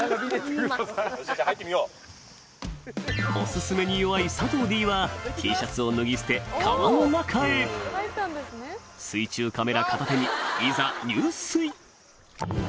お勧めに弱い佐藤ＤはＴシャツを脱ぎ捨て川の中へ水中カメラ片手にいざ入水！